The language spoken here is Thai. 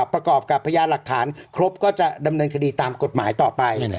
ประกอบกับพยานหลักฐานครบก็จะดำเนินคดีตามกฎหมายต่อไป